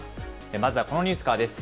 まずはこのニュースからです。